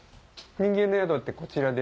民芸の宿ってこちらで？